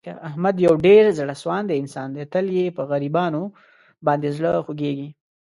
احمد یو ډېر زړه سواندی انسان دی. تل یې په غریبانو باندې زړه خوګېږي.